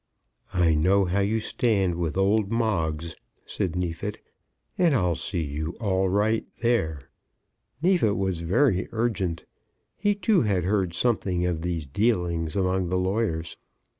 "I know how you stand with old Moggs," said Neefit, "and I'll see you all right there." Neefit was very urgent. He too had heard something of these dealings among the lawyers.